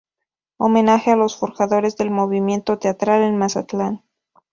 Homenaje a los forjadores del movimiento teatral en Mazatlán.